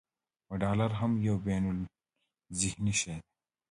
ډالر هم یو بینالذهني شی دی.